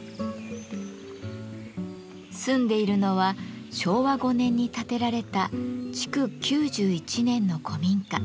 住んでいるのは昭和５年に建てられた築９１年の古民家。